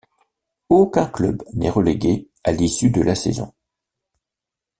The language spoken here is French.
Aucun club n'est relégué à l'issue de la saison.